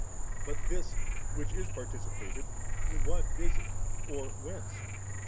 But this, which is participated, what is it or whence^?